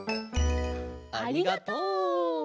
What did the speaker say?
ありがとう。